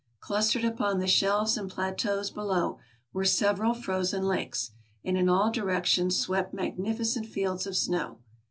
Clustered upon the shelves and plateaus below were several frozen lakes, and in all directions swept magnificent fields of snow.